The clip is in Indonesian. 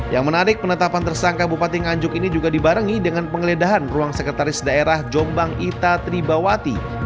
yang menarik penetapan tersangka bupati nganjuk ini juga dibarengi dengan penggeledahan ruang sekretaris daerah jombang ita tribawati